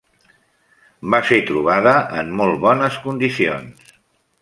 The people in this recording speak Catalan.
Va ser trobada en molt bones condicions.